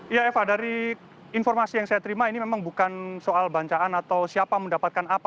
ya eva dari informasi yang saya terima ini memang bukan soal bancaan atau siapa mendapatkan apa